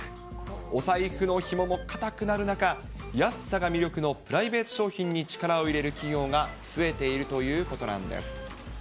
お財布のひもも固くなる中、安さが魅力のプライベート商品に力を入れる企業が増えているということなんです。